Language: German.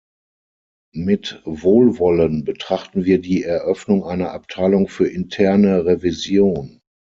Mit Wohlwollen betrachten wir die Eröffnung einer Abteilung für interne Revision.